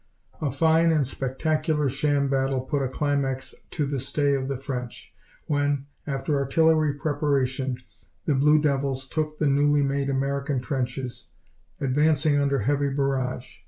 A fine and spectacular sham battle put a climax to the stay of the French, when, after artillery preparation, the Blue Devils took the newly made American trenches, advancing under heavy barrage.